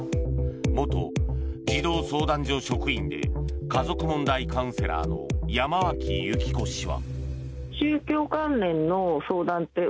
元児童相談所職員で家族問題カウンセラーの山脇由貴子氏は。